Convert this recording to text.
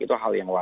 itu hal yang wajar